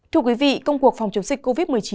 thưa quý vị công cuộc phòng chống dịch covid một mươi chín